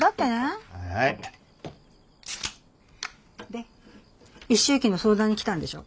で一周忌の相談に来たんでしょ。